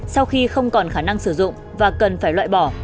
sau khi không còn khả năng sử dụng và cần phải loại bỏ